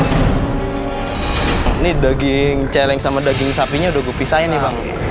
ini daging celeng sama daging sapinya udah gupi saya nih bang